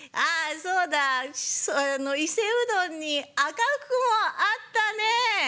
そうだ、伊勢うどんに赤福もあったね。